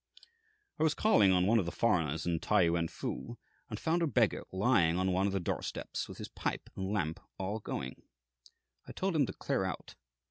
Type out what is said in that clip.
"I was calling on one of the foreigners in T'ai Yuan fu and found a beggar lying on one of the door steps, with his pipe and lamp all going. I told him to clear out.